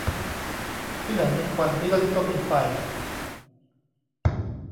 ที่ไหนมีควันที่นั่นก็มีไฟ